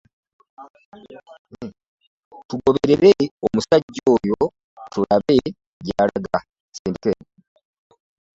Tugoberere omusajja oyo tulabe gy'alaga.